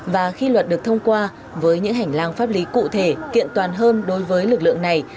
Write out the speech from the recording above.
và khi luật được thông qua với những hành lang pháp lý cụ thể kiện toàn hơn đối với lực lượng này